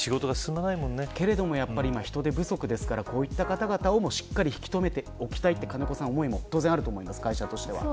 けれども今人手不足ですからこういった方々を引き留めておきたいという思いもあると思います、会社としては。